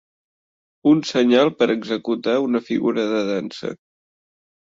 Un senyal per executar una figura de dansa.